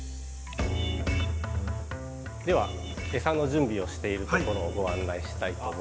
ではエサの準備をしているところをご案内したいと思います。